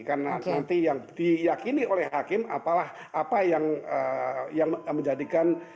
karena nanti yang diyakini oleh hakim apalah apa yang menjadikan